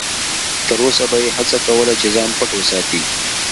تر وسه به یې هڅه کوله چې ځان پټ وساتي.